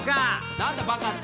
なんだバカって！